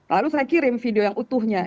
lalu saya kirim video yang utuhnya